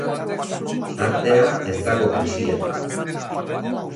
Artea ez dago krisian.